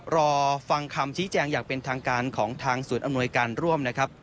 รอฟังคำชี้แจงอย่างเป็นทางการของทางศูนย์อำนวยการร่วมนะครับ